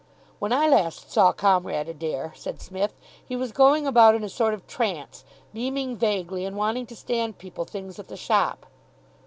"When I last saw Comrade Adair," said Psmith, "he was going about in a sort of trance, beaming vaguely and wanting to stand people things at the shop."